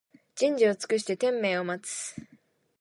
人事を尽くして天命を待つ